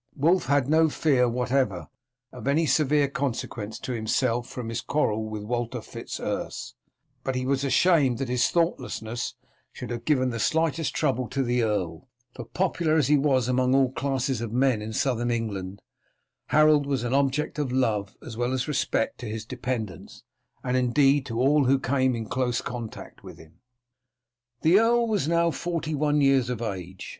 Wulf had no fear whatever of any severe consequence to himself from his quarrel with Walter Fitz Urse, but he was ashamed that his thoughtlessness should have given the slightest trouble to the earl, for, popular as he was among all classes of men in southern England, Harold was an object of love as well as respect to his dependents, and indeed to all who came in close contact with him. The earl was now forty one years of age.